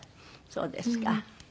そうですか。